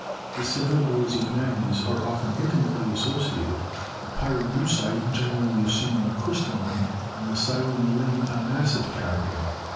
The several ores of manganese are often intimately associated, the pyrolusite generally assuming a crystalline and the psilomelane a massive character.